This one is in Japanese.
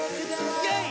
イェイ！